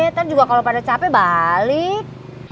ternyata juga kalau pada capek balik